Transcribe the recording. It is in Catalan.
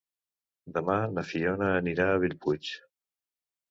Demà na Fiona anirà a Bellpuig.